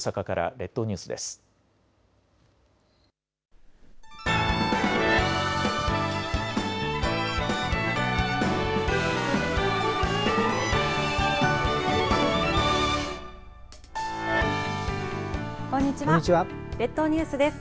列島ニュースです。